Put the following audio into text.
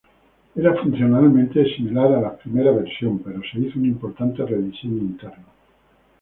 Era funcionalmente similar a la primera versión pero se hizo un importante rediseño interno.